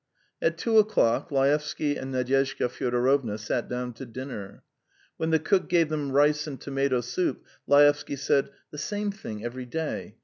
At two o'clock Laevsky and Nadyezhda Fyodorovna sat down to dinner. When the cook gave them rice and tomato soup, Laevsky said: "The same thing every day.